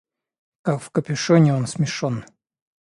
Как в капюшоне он смешон.